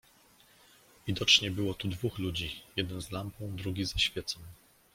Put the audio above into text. "Widocznie było tu dwóch ludzi, jeden z lampą, drugi ze świecą."